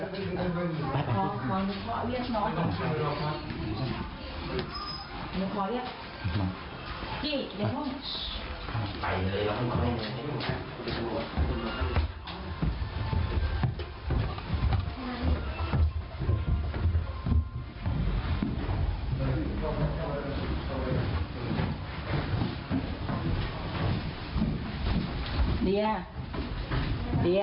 โจมตี